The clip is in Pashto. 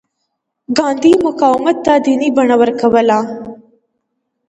ګاندي مقاومت ته دیني بڼه ورکوله.